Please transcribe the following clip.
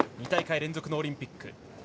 ２大会連続のオリンピック。